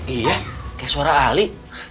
iya kayak suara ali